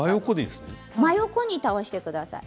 真横に倒してください。